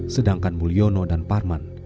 sedangkan mulyono dan parman